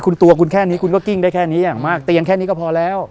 คุณตัวคุณแค่นี้คุณก็กิ้งได้แค่นี้อย่างมากเตียงแค่นี้ก็พอแล้ว